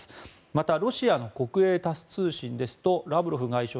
また、ロシアの国営タス通信ですとラブロフ外相